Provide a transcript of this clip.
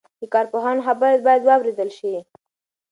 د کارپوهانو خبرې باید واورېدل شي.